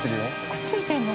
くっついてるの？